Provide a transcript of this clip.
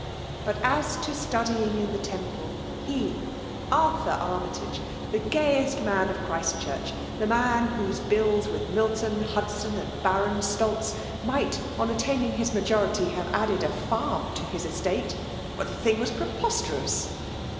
*' But as to studying in the Temple — he, Arthur Armytage — the gayest man of &L Ch., — ^the man whose bills with Milton> Hudson, and Baron Stulz, might, on attaining f&si mqority, have added a farm to his estate •^ihe thing was preposterous